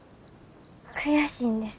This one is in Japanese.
悔しいんです。